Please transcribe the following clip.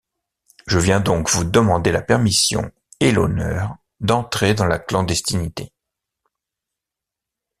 Je viens donc vous demander la permission et l'honneur d'entrer dans la clandestinité.